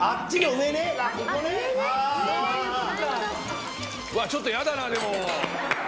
うわちょっと嫌だなでも。